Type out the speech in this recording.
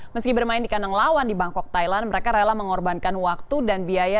meski bermain di kandang lawan di bangkok thailand mereka rela mengorbankan waktu dan biaya